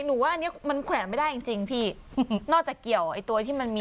ว่าอันนี้มันแขวนไม่ได้จริงจริงพี่นอกจากเกี่ยวไอ้ตัวที่มันมี